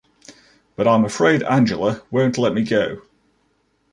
But I’m afraid Angela won’t let me go.